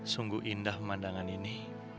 sungguh indah pemandangan ini